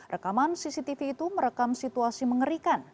rekaman cctv itu merekam situasi mengerikan